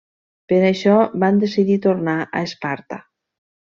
Per això van decidir tornar a Esparta.